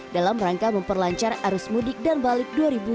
dalam rangka memperlancar arus mudik dan balik dua ribu dua puluh